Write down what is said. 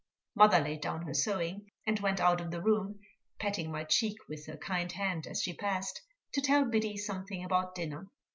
Mother laid down her sewing, and went out of the room, patting my cheek with her kind hand as she passed, to tell Biddy something about dinner.